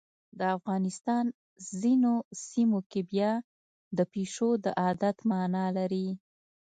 د افغانستان ځینو سیمو کې بیا د پیشو د عادت مانا لري.